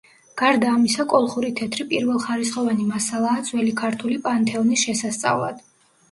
გარდა ამისა, კოლხური თეთრი პირველხარისხოვანი მასალაა ძველი ქართული პანთეონის შესასწავლად.